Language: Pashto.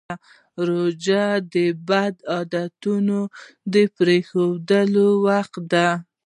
روژه د بدو عادتونو د پرېښودو وخت دی.